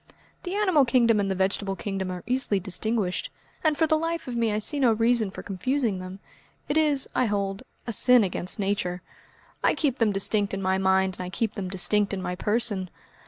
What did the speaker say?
"The animal kingdom and the vegetable kingdom are easily distinguished, and for the life of me I see no reason for confusing them. It is, I hold, a sin against Nature. I keep them distinct in my mind and I keep them distinct in my person.